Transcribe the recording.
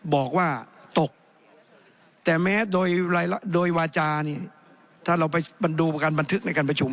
บอกว่าแต่แม้โดยโดยวาจาถ้าเราไปไปดูกันบันทึกในการผจุม